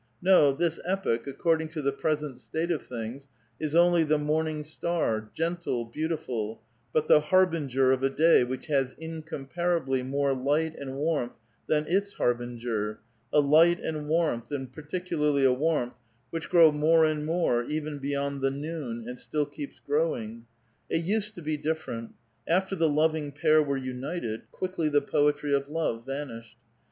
No, this epoch, according to the present state of things, is onlj' the morning star, gentle, beautiful, but the harbinger of a day which has incomparably more light and warmth than its harbinger ; a light and warmth, and particnlarl}' a warmth, which grow more and more even Ix^yond the noon, and still keeps growing. It used to be different. After the loving pair were united, quickly the poetrj' of love vanished.